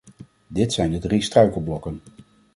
Dit zijn de drie struikelblokken.